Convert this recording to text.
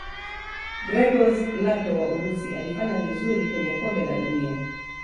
gregorz lato wa urusi alifanya vizuri kwenye kombe la dunia